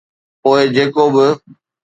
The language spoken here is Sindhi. پوءِ جيڪو به.